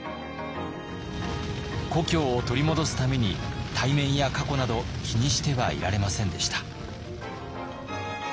故郷を取り戻すために体面や過去など気にしてはいられませんでした。